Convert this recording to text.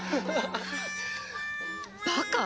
バカ？